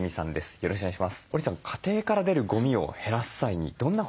よろしくお願いします。